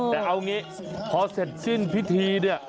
แต่เอางี้พอเสร็จสิ้นพิธีเนี่ย